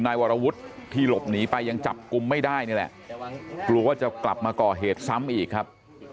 วรวุฒิที่หลบหนีไปยังจับกลุ่มไม่ได้นี่แหละกลัวว่าจะกลับมาก่อเหตุซ้ำอีกครับ